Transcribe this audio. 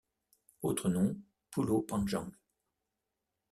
Autre nom Pulo Panjang.